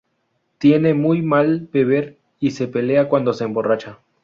Tiene muy mal beber y se pelea cuando se emborracha